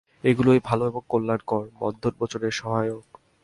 এগুলিই ভাল এবং কল্যাণকর, বন্ধন-মোচনের সহায়ক।